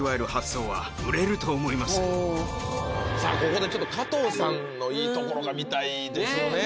ここでちょっと加藤さんのいいところが見たいですよね